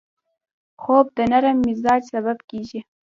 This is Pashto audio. خوب د نرم مزاج سبب کېږي